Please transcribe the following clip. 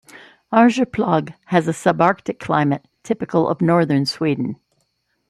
Arjeplog has a subarctic climate typical of northern Sweden.